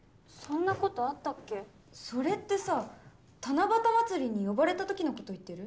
それってさ七夕まつりに呼ばれた時のこと言ってる？